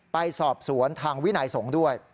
ไปสอบสวนทางวินัยสงฆ์ด้วย